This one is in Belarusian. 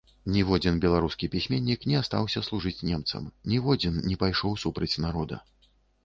Ніводзін беларускі пісьменнік не астаўся служыць немцам, ніводзін не пайшоў супраць народа.